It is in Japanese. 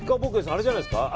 あれじゃないですか。